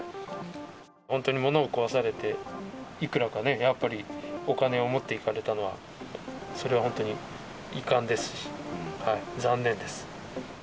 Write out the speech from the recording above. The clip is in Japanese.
本当に物を壊されて、いくらかね、やっぱりお金を持っていかれたのは、それは本当に遺憾ですし、残念です。